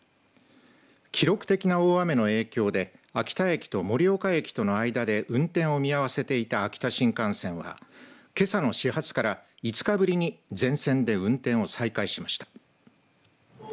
記録的な大雨の影響で秋田駅と盛岡駅との間で運転を見合わせていた秋田新幹線は、けさの始発から５日ぶりに全線で運転を再開しました。